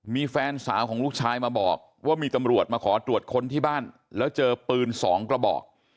มีแฟนสาวของลูกชายมาบอกว่ามีตำรวจมาขอตรวจค้นที่บ้านแล้วเจอปืน๒กระบอก